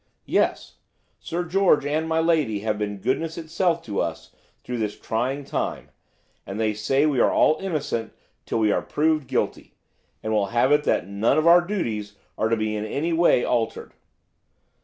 "Yes, Sir George and my lady have been goodness itself to us through this trying time, and they say we are all innocent till we are proved guilty, and will have it that none of our duties are to be in any way altered."